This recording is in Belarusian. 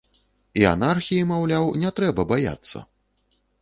І анархіі, маўляў, не трэба баяцца!